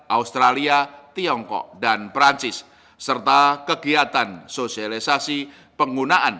australia tiongkok dan perancis serta kegiatan sosialisasi penggunaan